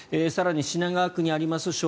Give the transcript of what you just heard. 更に品川区にあります